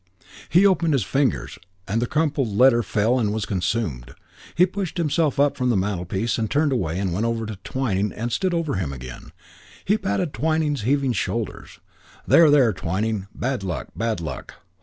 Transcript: He opened his fingers, and the crumpled letter fell and was consumed. He pushed himself up from the mantlepiece and turned and went over to Twyning and stood over him again. He patted Twyning's heaving shoulders. "There, there, Twyning. Bad luck. Bad luck.